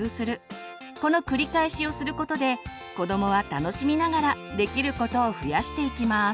この繰り返しをすることで子どもは楽しみながらできることを増やしていきます。